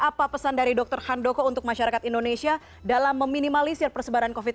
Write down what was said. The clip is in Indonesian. apa pesan dari dokter handoko untuk masyarakat indonesia dalam meminimalisir persebaran covid sembilan belas